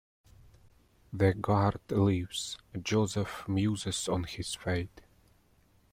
The guard leaves; Joseph muses on his fate.